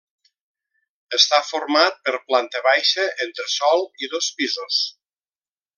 Està format per planta baixa, entresòl i dos pisos.